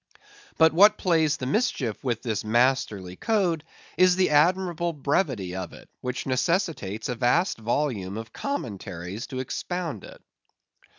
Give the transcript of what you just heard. But what plays the mischief with this masterly code is the admirable brevity of it, which necessitates a vast volume of commentaries to expound it.